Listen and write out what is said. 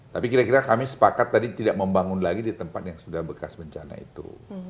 tapi kira kira kami sepakat tadi tidak membangun lagi di tempat yang sudah bekas bencana itu